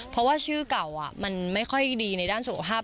เพราะว่าชื่อเก่ามันไม่ค่อยดีในด้านสุขภาพ